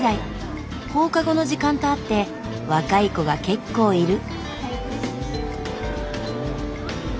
放課後の時間とあって若い子が結構いる。